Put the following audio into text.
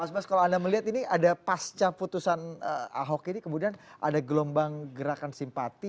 mas bas kalau anda melihat ini ada pasca putusan ahok ini kemudian ada gelombang gerakan simpati